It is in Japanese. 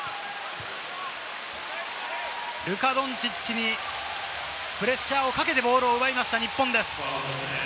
ルカ・ドンチッチにプレッシャーをかけてボールを奪いました、日本です。